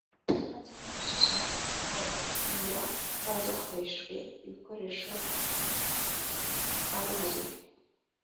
icy’ibanze ni ugusuzuma ugukomera kwazo hakoreshejwe ibikoresho kabuhariwe